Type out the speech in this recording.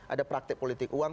ada praktik politik uang